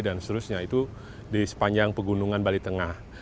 dan seterusnya itu di sepanjang pegunungan bali tengah